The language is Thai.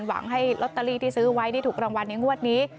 หวังให้ลอตเตอรี่ที่ซื้อไว้ที่ถูกรางวัลในงวดนี้